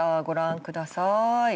ご覧ください。